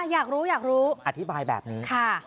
อยากรู้อยากรู้อธิบายแบบนี้